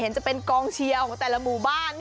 จะเป็นกองเชียร์ของแต่ละหมู่บ้าน